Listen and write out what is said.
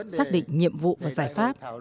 xác định nhiệm vụ và giải pháp